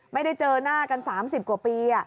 ไม่ได้เจอหน้ากัน๓๐กว่าปี